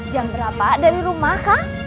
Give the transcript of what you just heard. jam berapa dari rumah kah